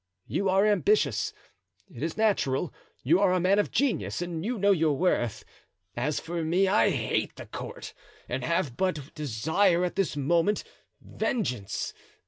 You are ambitious—it is natural; you are a man of genius and you know your worth. As for me, I hate the court and have but one desire at this moment—vengeance.